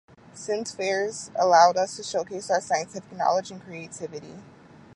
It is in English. Science fairs allowed us to showcase our scientific knowledge and creativity.